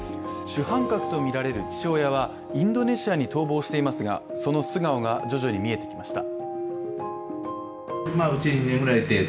主犯格とみられる父親はインドネシアに逃亡していますが、その素顔が徐々に見えてきました。